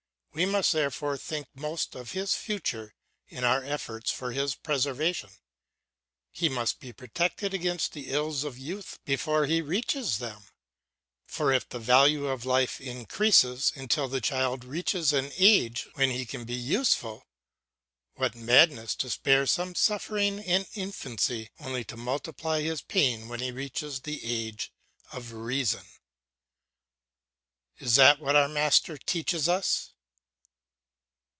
We must therefore think most of his future in our efforts for his preservation. He must be protected against the ills of youth before he reaches them: for if the value of life increases until the child reaches an age when he can be useful, what madness to spare some suffering in infancy only to multiply his pain when he reaches the age of reason. Is that what our master teaches us?